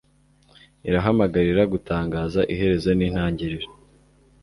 irahamagarira gutangaza iherezo n'intangiriro